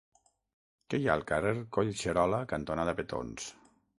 Què hi ha al carrer Collserola cantonada Petons?